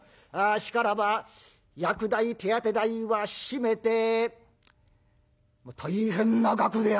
しからば薬代手当て代は締めて大変な額である。